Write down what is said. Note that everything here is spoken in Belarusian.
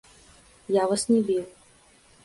Я вас не біў.